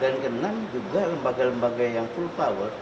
dan ke enam juga lembaga lembaga yang full power